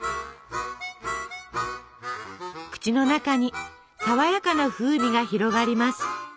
口の中に爽やかな風味が広がります。